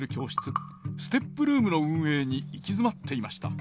ＳＴＥＰルームの運営に行き詰まっていました。